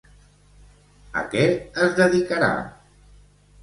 A què es dedicarà?